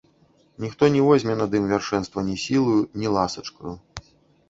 Ніхто не возьме над ім вяршэнства ні сілаю, ні ласачкаю.